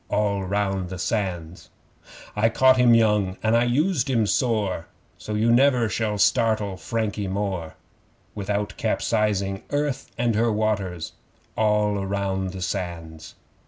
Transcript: (All round the Sands!) 'I caught him young and I used him sore, So you never shall startle Frankie more, Without capsizing Earth and her waters. (All round the Sands!)